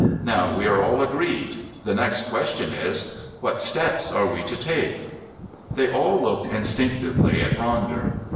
"Now we are all agreed. The next question is, what steps are we to take?" They all looked instinctively at Ronder.